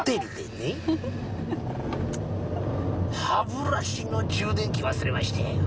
歯ブラシの充電器忘れまして」